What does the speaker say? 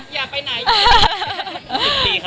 อย่าไปไหนอีกเลย